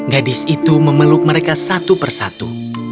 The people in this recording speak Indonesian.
gadis itu memeluk mereka satu persatu